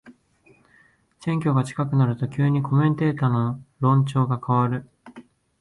選挙が近くなると急にコメンテーターの論調が変わる